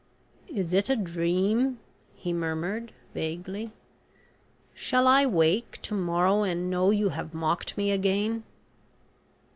"Is it a dream?" he murmured, vaguely; "shall I wake to morrow and know you have mocked me again?"